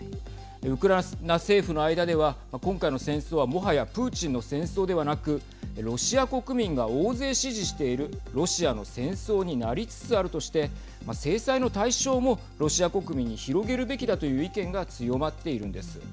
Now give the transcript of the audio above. ウクライナ政府の間では今回の戦争はもはやプーチンの戦争ではなくロシア国民が大勢支持しているロシアの戦争になりつつあるとして制裁の対象もロシア国民に広げるべきだという意見が強まっているんです。